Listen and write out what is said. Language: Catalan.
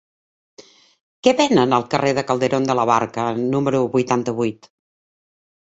Què venen al carrer de Calderón de la Barca número vuitanta-vuit?